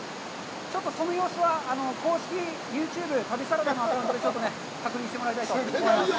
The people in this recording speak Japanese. ちょっとその様子は公式ユーチューブ、旅サラダのアカウントで確認していただきたいと思います。